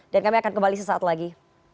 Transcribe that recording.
dan kami akan kembali sesaat lagi